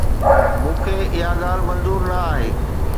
مون کي اها ڳالهه منظور نه آهي